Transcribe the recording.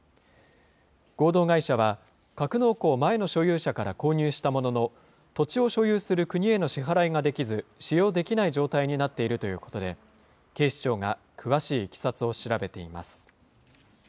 合同会社は、格納庫を前の所有者から購入したものの、土地を所有する国への支払いができず、使用できない状態になっているということで、警視庁が詳しいいきさつを調べています。